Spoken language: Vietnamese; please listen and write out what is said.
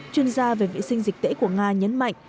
chuyên gia về vệ sinh dịch tễ của nga nhấn mạnh